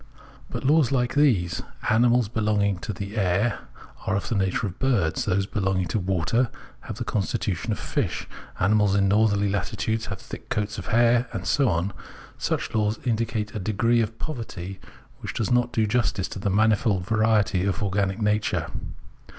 But laws like these: animals belonging to the air are of the nature of birds, those belonging to water have the constitution of fish, animals in northerly latitudes have thick coats of hair, and so on — such laws indicate a degree of poverty which does not do justice to the manifold variety of organic nature.